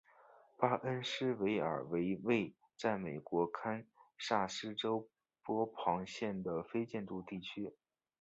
巴恩斯维尔为位在美国堪萨斯州波旁县的非建制地区。